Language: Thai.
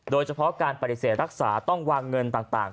โดยเฉพาะการปฏิเสธรักษาต้องวางเงินต่าง